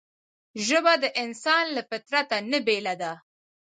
ژبه د انسان له فطرته نه بېله ده